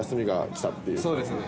そうですね。